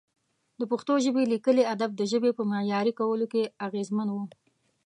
د پښتو ژبې لیکلي ادب د ژبې په معیاري کولو کې اغېزمن و.